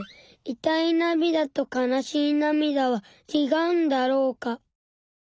痛いなみだと悲しいなみだはちがうんだろうか。